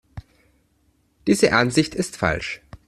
Diese Ansicht ist falsch.